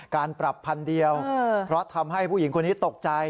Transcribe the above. การปรับพันเดียวเพราะทำให้ผู้หญิงคนนี้ตกใจ